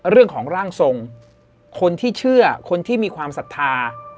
เรื่องของร่างทรงคนที่เชื่อคนที่มีความศรัทธา